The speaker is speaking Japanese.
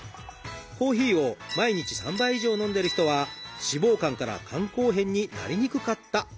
コーヒーを毎日３杯以上飲んでる人は脂肪肝から肝硬変になりにくかったという研究結果があります。